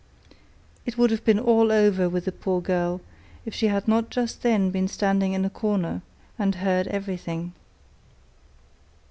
It would have been all over with the poor girl if she had not just then been standing in a corner, and heard everything.